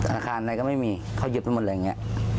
อาคารอะไรก็ไม่มีเขาเหยียบไปหมดอะไรอย่างนี้